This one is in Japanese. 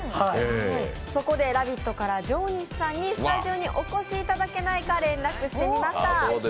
「ラヴィット！」から上西さんにスタジオにお越しいただけないか連絡してみました。